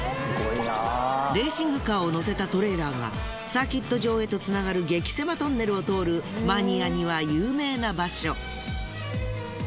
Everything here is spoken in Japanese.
レーシングカーを乗せたトレーラーがサーキット場へとつながる激狭トンネルを通るマニアには有名な場所。